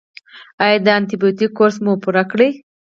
ایا د انټي بیوټیک کورس مو پوره کړی؟